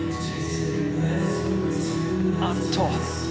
あっと。